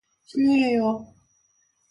실례해요.